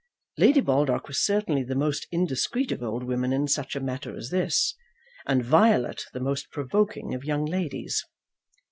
Lady Baldock was certainly the most indiscreet of old women in such a matter as this, and Violet the most provoking of young ladies.